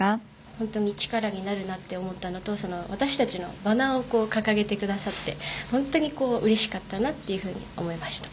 本当に力になるなと思ったのと私たちのバナーを掲げてくださって本当にうれしかったなと思いました。